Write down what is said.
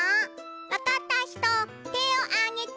わかったひとてをあげて。